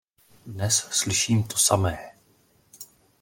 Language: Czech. Dnes slyším to samé.